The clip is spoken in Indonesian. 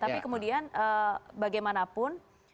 tapi kemudian bagaimanapun